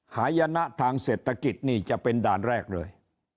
หายนะทางเศรษฐกิจนี่จะเป็นด่านแรกเลย